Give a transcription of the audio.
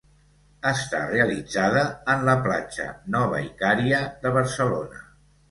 Està realitzada en la platja Nova Icària de Barcelona.